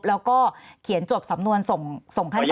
แล้วก็เขียนจบสำนวนส่งขั้นต่อต่อไปคะ